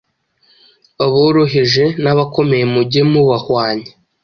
aboroheje n’abakomeye mujye mubahwanya;